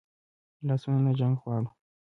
لاسونه نه جنګ غواړي